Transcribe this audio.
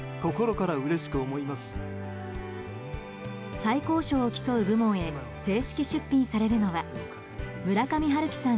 最高賞を競う部門へ正式出品されるのは村上春樹さん